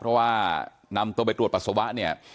เพราะว่านำตัวไปตรวจปัสสาวะเนี่ย